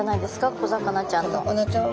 小魚ちゃんの。